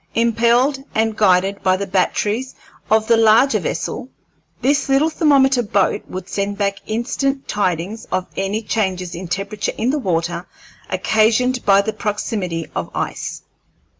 Impelled and guided by the batteries of the larger vessel, this little thermometer boat would send back instant tidings of any changes in temperature in the water occasioned by the proximity of ice.